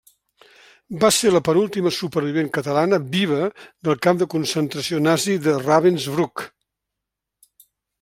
Va ser la penúltima supervivent catalana viva del camp de concentració nazi de Ravensbrück.